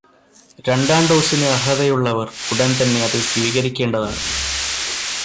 രണ്ടാം ഡോസിന് അര്ഹതയുള്ളവര് ഉടന് തന്നെ അത് സ്വീകരിക്കേണ്ടതാണ്.